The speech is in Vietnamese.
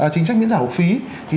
chính sách miễn giả học phí